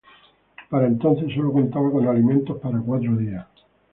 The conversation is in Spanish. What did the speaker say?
Para entonces, solo contaba con alimento para cuatro días.